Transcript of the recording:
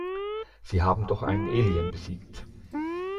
Sie haben doch einen Alien besiegt.